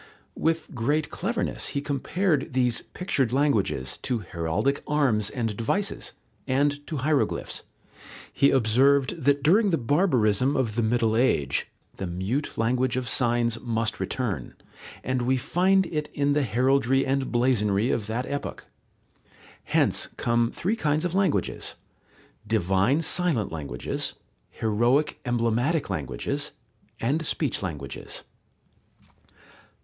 With great cleverness he compared these pictured languages to heraldic arms and devices, and to hieroglyphs. He observed that during the barbarism of the Middle Age, the mute language of signs must return, and we find it in the heraldry and blazonry of that epoch. Hence come three kinds of languages: divine silent languages, heroic emblematic languages, and speech languages.